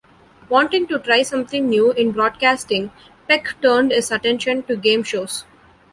Wanting to try something new in broadcasting, Peck turned his attention to game shows.